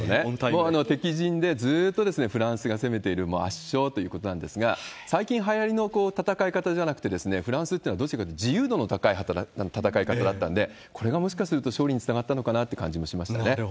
もう敵陣でずーっとフランスが攻めている圧勝ということなんですが、最近はやりの戦い方じゃなくて、フランスってのはどちらかというと自由度の高い戦い方だったんで、これがもしかすると勝利につながったのかなという感じもしましたね。